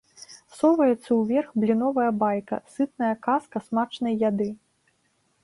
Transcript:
Соваецца ўверх бліновая байка, сытная казка смачнай яды.